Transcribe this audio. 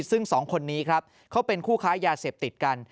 ซึ่งสองคนนี้ครับเขาเป็นคู่ค้ายาเสพติดกัน